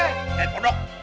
eh ponok jangan